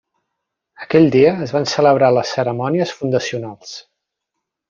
Aquell dia es van celebrar les cerimònies fundacionals.